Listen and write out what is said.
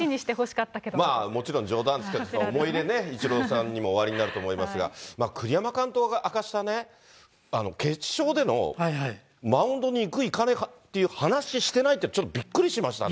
あれ、もちろん、冗談ですけど、思い入れね、イチローさんにもおありになると思いますが、栗山監督が明かした決勝でのマウンドに行く、行かないっていう話ししてないってちょっとびっくりしましたね。